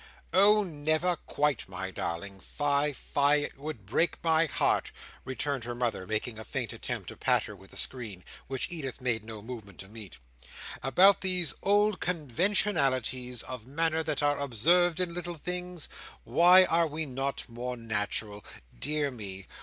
"Oh never quite, my darling! Fie, fie, it would break my heart," returned her mother, making a faint attempt to pat her with the screen, which Edith made no movement to meet, "—about these old conventionalities of manner that are observed in little things? Why are we not more natural? Dear me!